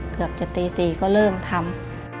เกือบจะตี๔ก็เริ่มทำ